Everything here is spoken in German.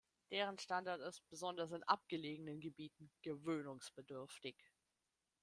Deren Standard ist, besonders in abgelegenen Gebieten, gewöhnungsbedürftig.